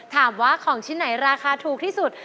ถามว่าของชิ้นไหนราคาถูกที่สุด